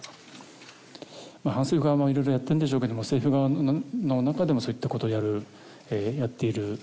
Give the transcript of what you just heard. まあ反政府側もいろいろやってんでしょうけども政府側の中でもそういったことをやるえやっているようだと。